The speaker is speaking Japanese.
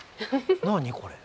何これ？